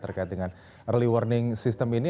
terkait dengan early warning system ini